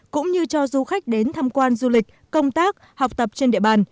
cũng như cho du khách đến tham quan du lịch công tác học tập trên địa bàn